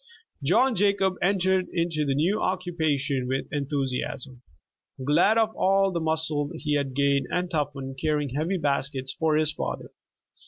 John Jacob entered into the new occupation with enthusiasm, glad of all the muscle he had gained and toughened carrying heavy baskets for his father.